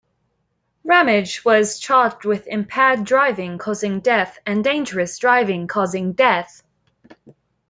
Ramage was charged with impaired driving causing death and dangerous driving causing death.